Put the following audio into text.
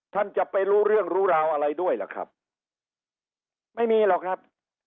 ท่านจะไปรู้เรื่องรู้ราวอะไรด้วยล่ะครับไม่มีหรอกครับ